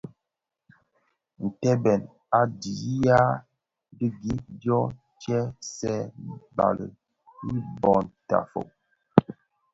Ntèbèn a dhiyaï di gib dio kè tsee bali i bon tafog.